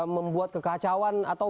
membuat kekacauan atau